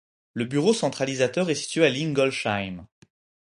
Le bureau centralisateur est situé à Lingolsheim.